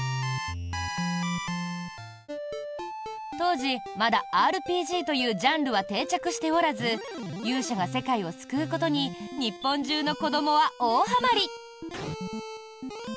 当時、まだＲＰＧというジャンルは定着しておらず勇者が世界を救うことに日本中の子どもは大はまり。